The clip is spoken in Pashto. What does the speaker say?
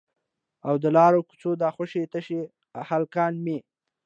او د لارو کوڅو دا خوشي تشي هلکان مې